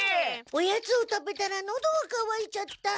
おやつを食べたらのどがかわいちゃった。